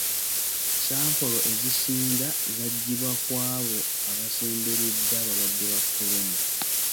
Sampolo ezisinga zaggyibwa ku abo abasemberedde abalwadde ba kolona.